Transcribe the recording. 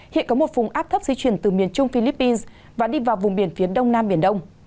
hiện có một vùng áp thấp di chuyển từ miền trung philippines và đi vào vùng biển phía đông nam biển đông